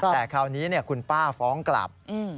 แต่คราวนี้คุณป้าฟ้องกลับ